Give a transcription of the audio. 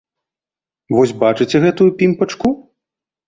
Вось бачыце гэтую пімпачку?